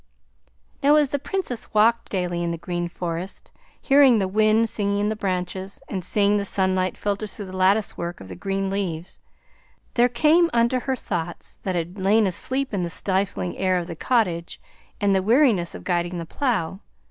Now as the Princess walked daily in the green forest, hearing the wind singing in the branches and seeing the sunlight filter through the lattice work of green leaves, there came unto her thoughts that had lain asleep in the stifling air of the cottage and the weariness of guiding the plough.